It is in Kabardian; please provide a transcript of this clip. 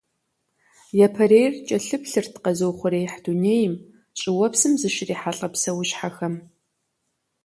Япэрейр кӀэлъыплъырт къэзыухъуреихь дунейм, щӀыуэпсым зыщрихьэлӀэ псэущхьэхэм.